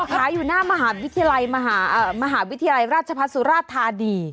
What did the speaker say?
หาอยู่หน้ามหาวิทยาลัยราชพัศุราชธาดี